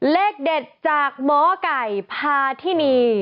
เลขเด็ดจากหมอไก่พาทินี